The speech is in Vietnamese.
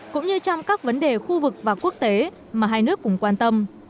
cũng như trong các vấn đề khu vực và quốc tế mà hai nước cũng quan tâm